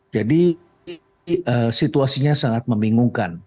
jadi situasinya sangat membingungkan